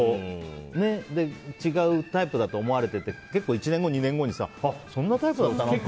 違うタイプだと思われてて１年後や２年後にそんなタイプだったのっていう。